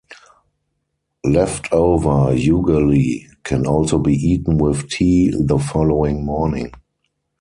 Left over ugali can also be eaten with tea the following morning.